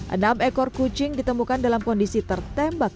enam ekor kucing ditemukan dalam kondisi tertembak